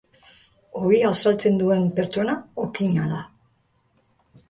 Ogia saltzen duen pertsona okina da.